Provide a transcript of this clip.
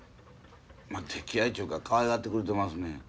まあ溺愛ちゅうかかわいがってくれてますねん。